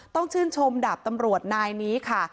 ต้องชื่นชมดาบตำรวจนายนี้ค่ะ